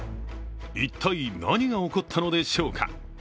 一体、何が起こったのでしょうか。